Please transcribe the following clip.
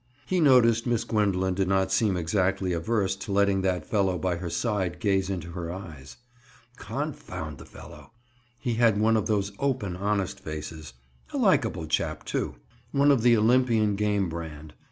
He noticed Miss Gwendoline did not seem exactly averse to letting that fellow by her side gaze into her eyes. Confound the fellow! He had one of those open honest faces. A likable chap, too! One of the Olympian game brand!